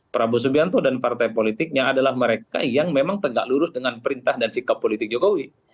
prabowo subianto dan partai politiknya adalah mereka yang memang tegak lurus dengan perintah dan sikap politik jokowi